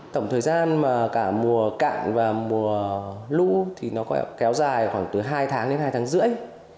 tổng thời gian cả mùa cạn và mùa lũ kéo dài khoảng từ hai tháng đến hai tháng rưỡi